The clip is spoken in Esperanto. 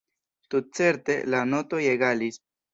Tutcerte, la notoj egalis.